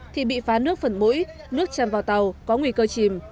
thì bị phá nước phần mũi nước chan vào tàu có nguy cơ chìm